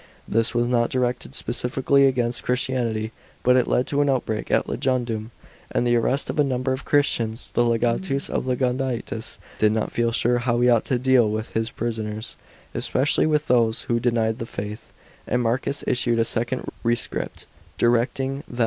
This was not directed specially against Christianity, but it led to an outbreak at Lugudunum, and the arrest of a number of Christians. .The legatus of Lngudunensis did not feel sure how he ought to deal with his prisoners, especially with those who denied the faith ; and Marcus issued a second rescript, directing that those who denied * Perhaps in 166 A.